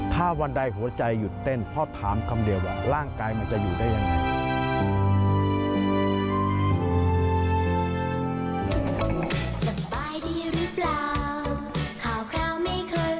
ถ้าวันใดหัวใจหยุดเต้นพ่อถามคำเดียวว่าร่างกายมันจะอยู่ได้ยังไง